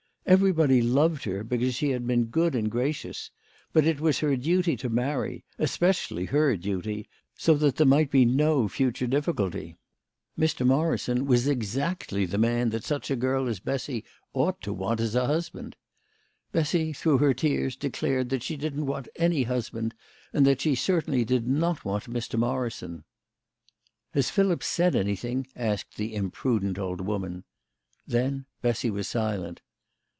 Everybody loved her because she had been good and gracious, but it was her duty to marry especially her duty so that there might be no future difficulty. Mr. Morrison was exactly the man 122 THE LADY OP LAUNAY. that such, a girl as Bessy ought to want as a husband. Bessy through her tears declared that she didn't want any husband, and that she certainly did not want Mr. Morrison. " Has Philip said anything ?" asked the imprudent old woman. Then Bessy was silent.